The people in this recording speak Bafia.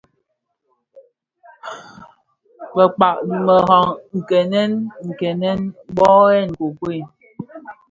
Bekpag bi meraň nkènèn kènèn mböghèn nkokuei.